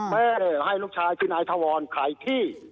แม่ให้ลูกชายชื่อนายถวรขายที่